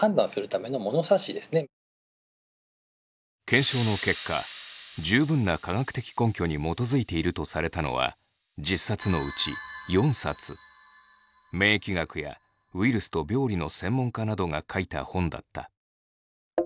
検証の結果十分な科学的根拠に基づいているとされたのは免疫学やウイルスと病理の専門家などが書いた本だった。